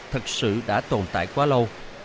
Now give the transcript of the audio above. thật sự đã tồn tại quá lâu